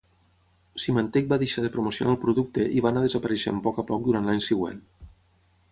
Symantec va deixar de promocionar el producte i va anar desapareixent poc a poc durant l'any següent.